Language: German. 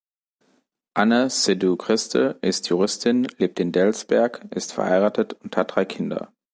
Anne Seydoux-Christe ist Juristin, lebt in Delsberg, ist verheiratet und hat drei Kinder.